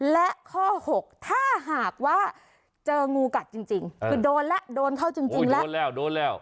และข้อหกถ้าหากว่าเจองูกัดจริงคือโดนแล้วโดนเข้าจริงแล้วโดนแล้วโดนแล้ว